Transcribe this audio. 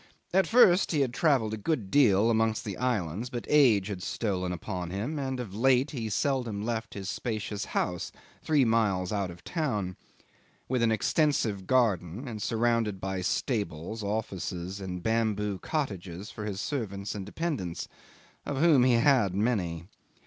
At first he had travelled a good deal amongst the islands, but age had stolen upon him, and of late he seldom left his spacious house three miles out of town, with an extensive garden, and surrounded by stables, offices, and bamboo cottages for his servants and dependants, of whom he had many.